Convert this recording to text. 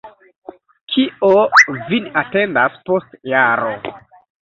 Kio vin atendas post jaro?